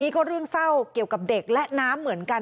ก็เรื่องเศร้าเกี่ยวกับเด็กและน้ำเหมือนกัน